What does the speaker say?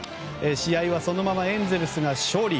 試合はそのままエンゼルスが勝利。